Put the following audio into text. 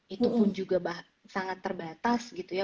itu pun juga sangat terbatas gitu ya